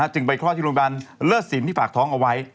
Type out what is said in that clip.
จึงไปคลอดที่โรงพยาบาลเลิศสินที่ฝากท้องเอาไว้